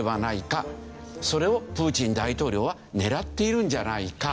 それをプーチン大統領は狙っているんじゃないか。